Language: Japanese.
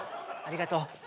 ありがとう。